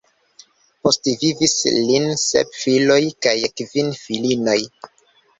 Postvivis lin sep filoj kaj kvin filinoj.